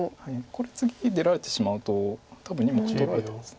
これ次出られてしまうと多分２目取られてます。